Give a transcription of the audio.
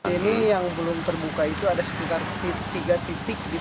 ini yang belum terbuka itu ada sekitar tiga titik